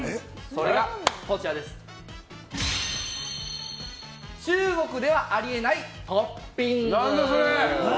それが中国ではありえないトッピング。